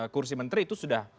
kursi menteri itu sudah